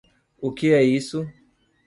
O que é isso